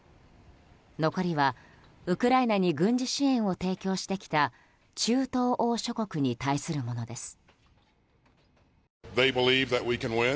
残りはウクライナに軍事支援を提供してきた中東欧諸国に対するものです。